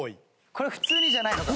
これ普通にじゃないの？